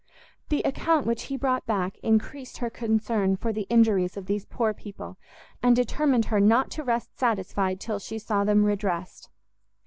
The account which he brought back encreased her concern for the injuries of these poor people, and determined her not to rest satisfied till she saw them redressed.